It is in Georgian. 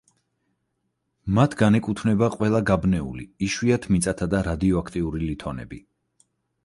მათ განეკუთვნება ყველა გაბნეული, იშვიათ მიწათა და რადიოაქტიური ლითონები.